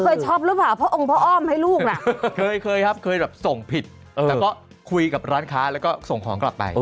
ช็อปหรือเปล่าเพราะองค์พ่ออ้อมให้ลูกล่ะเคยเคยครับเคยแบบส่งผิดแต่ก็คุยกับร้านค้าแล้วก็ส่งของกลับไป